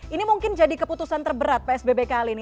ini mungkin jadi keputusan terberat psbb kali ini